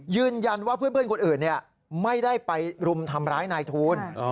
ยืนยันว่าเพื่อนคนอื่นไม่ได้ไปรุมทำร้ายนายทูล